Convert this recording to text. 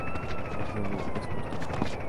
El juego es por turnos.